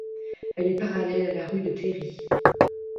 Elle est parallèle à la rue de Cléry.